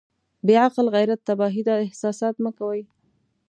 بې عقل غيرت تباهي ده احساسات مه کوئ.